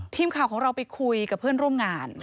ทีมข่าวของเราไปคุยกับเพื่อนร่วมงาน